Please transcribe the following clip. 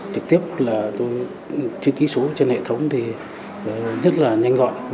trực tiếp chữ ký số trên hệ thống rất là nhanh gọn